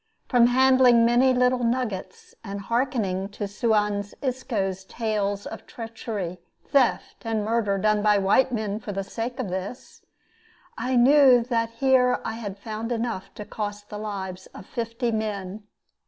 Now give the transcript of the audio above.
From handling many little nuggets, and hearkening to Suan Isco's tales of treachery, theft, and murder done by white men for the sake of this, I knew that here I had found enough to cost the lives of fifty men.